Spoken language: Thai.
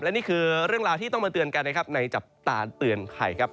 และนี่คือเรื่องราวที่ต้องมาเตือนกันนะครับในจับตาเตือนภัยครับ